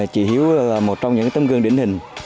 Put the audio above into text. chị hiếu là một trong những tấm gương điển hình